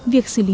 việc xử lý